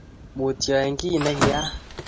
mutyo eng kiy negiyaak.